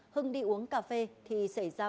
hưng đi uống cà phê thì xảy ra